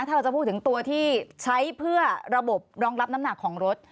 ถ้าเราจะพูดถึงตัวที่ใช้เพื่อระบบรองรับน้ำหนักของรถ